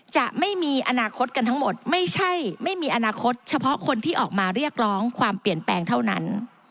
จะไม่มีอนาคตกันทั้งหมดไม่ใช่ไม่มีอนาคตเฉพาะคนที่ออกมาเรียกร้องความเปลี่ยนแปลงเท่านั้น